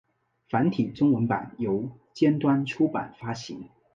繁体中文版由尖端出版发行。